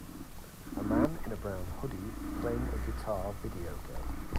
A man in a brown hoodie playing a guitar video game.